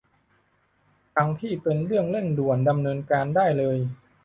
ทั้งที่เป็นเรื่องเร่งด่วนดำเนินการได้เลย